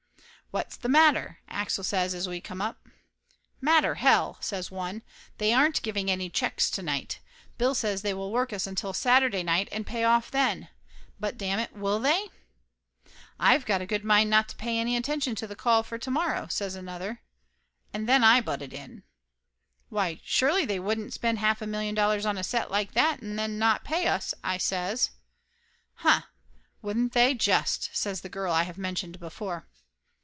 "What's tha matter?" Axel says as we come up. "Matter, hell !" says one. "They aren't giving any checks to night. Bill says they will work us until Saturday night and pay off then. But damn it, will they?" ' "I've got a good mind not to pay any attention to the call for to morrow," says another. And then I butted in. "Why surely they wouldn't spend half a million dollars on a set like that and then not pay us !" I says. "Huh! Wouldn't they, just!" says the girl I have mentioned before.